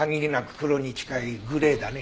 黒に近いグレーだね。